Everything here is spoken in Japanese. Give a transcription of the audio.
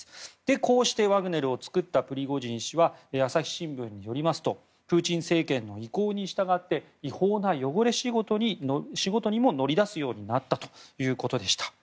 こうして、ワグネルを作ったプリゴジン氏は朝日新聞によりますとプーチン政権の意向に従って違法な汚れ仕事にも乗り出すようになったということでした。